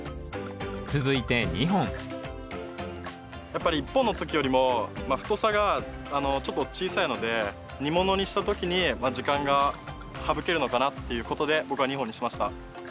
続いて２本やっぱり１本の時よりも太さがちょっと小さいので煮物にした時に時間が省けるのかなっていうことで僕は２本にしました。